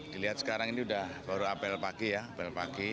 dilihat sekarang ini sudah baru apel pagi ya apel pagi